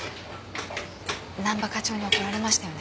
難波課長に怒られましたよね？